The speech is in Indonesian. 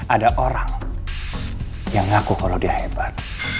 ada orang yang ngaku kalau dia hebat